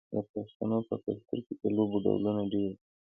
د پښتنو په کلتور کې د لوبو ډولونه ډیر دي.